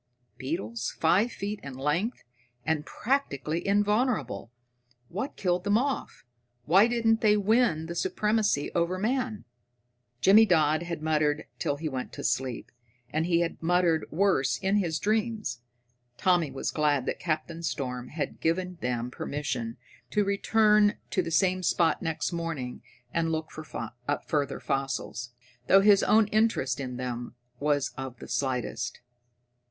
Beetles five feet in length, and practically invulnerable! What killed them off? Why didn't they win the supremacy over man?" Jimmy Dodd had muttered till he went to sleep, and he had muttered worse in his dreams. Tommy was glad that Captain Storm had given them permission to return to the same spot next morning and look for further fossils, though his own interest in them was of the slightest.